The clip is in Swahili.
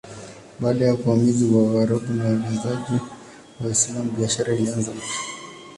Baada ya uvamizi wa Waarabu na uenezaji wa Uislamu biashara ilianza upya.